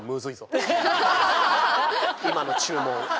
今の注文。